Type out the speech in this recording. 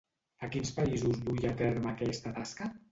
A quins països duia a terme aquesta tasca?